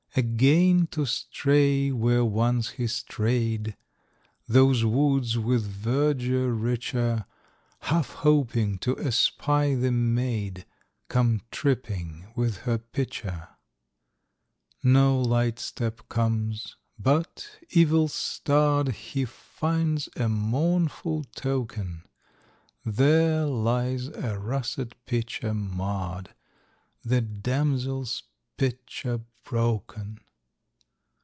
Again to stray where once he stray'd, Those woods with verdure richer; Half hoping to espy the maid Come tripping with her pitcher. No light step comes, but, evil starr'd, He finds a mournful token,— There lies a Russet Pitcher marr'd, The damsel's pitcher broken!